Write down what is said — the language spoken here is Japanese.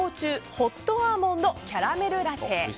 ホットアーモンドキャラメルラテ。